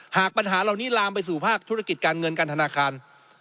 หากปัญหาเหล่านี้ลามไปสู่ภาคธุรกิจการเงินการธนาคาร